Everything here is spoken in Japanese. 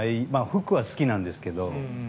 服は好きなんですけど。